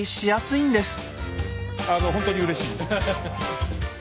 あのほんとにうれしい。